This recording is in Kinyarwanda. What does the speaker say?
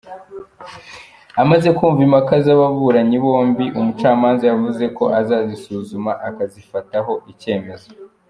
Amaze kumva impaka z’ababuranyi bombi, umucamanza yavuze ko azazisuzuma akazazifataho icyemezo.